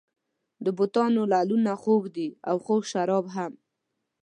د بتانو لعلونه خوږ دي او خوږ شراب هم.